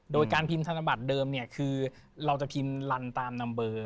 โดยการพิมพ์ธนบัตรเดิมเนี่ยคือเราจะพิมพ์ลันตามนัมเบอร์